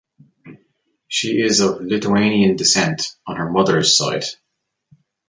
She is of Lithuanian descent on her mother's side.